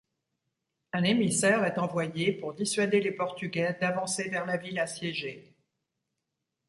Un émissaire est envoyé pour dissuader les portugais d'avancer vers la ville assiégée.